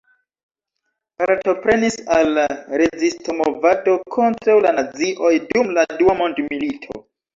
Partoprenis al la Rezisto-movado kontraŭ la nazioj dum la Dua mondmilito.